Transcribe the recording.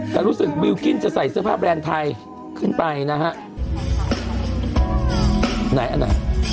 แต่รู้สึกบิลกิ้นจะใส่เสื้อผ้าแบรนด์ไทยขึ้นไปนะฮะไหนอันไหน